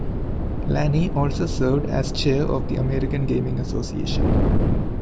Lanni also served as Chair of the American Gaming Association.